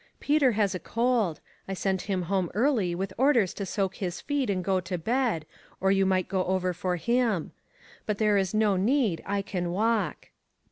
Peter has a cold ; I sent him home early with orders to soak his feet and go to bed, or you might go over for him. But there is no need, I can walk."